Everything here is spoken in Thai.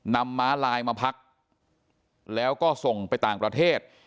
ม้าลายมาพักแล้วก็ส่งไปต่างประเทศ